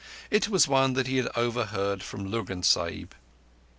It was one that he had learned from Lurgan Sahib.